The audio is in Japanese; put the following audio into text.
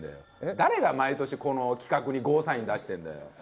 誰が毎年この企画にゴーサイン出してるんだよ。